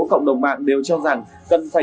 cộng đồng mạng đều cho rằng cần phải